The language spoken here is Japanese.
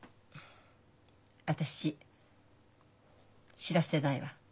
私知らせないわ。